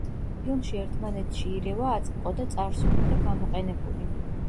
ფილმში ერთმანეთში ირევა აწმყო და წარსული და გამოყენებული.